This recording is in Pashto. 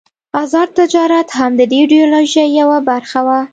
آزاد تجارت هم د دې ایډیالوژۍ یوه برخه وه.